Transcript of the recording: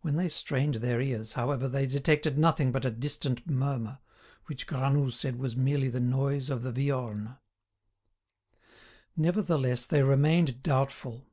When they strained their ears, however, they detected nothing but a distant murmur, which Granoux said was merely the noise of the Viorne. Nevertheless they remained doubtful.